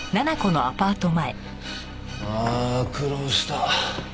ああ苦労した。